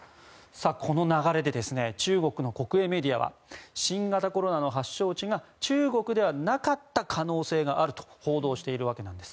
この流れで中国の国営メディアは新型コロナの発祥地が中国ではなかった可能性があると報道しているわけなんです。